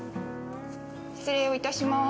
失礼をいたします